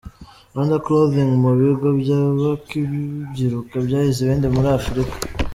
Rwanda Clothing mu bigo by’abakibyiruka byahize ibindi muri Afurika:.